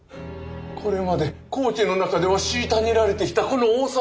これまで高家の中では虐げられてきたこの大沢丹波守。